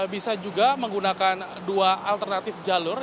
bisa juga menggunakan dua alternatif jalur